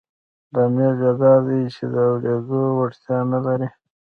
لامل یې دا دی چې د اورېدو وړتیا نه لري